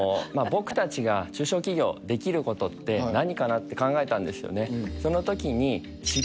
僕達が中小企業できることって何かなって考えたんですよね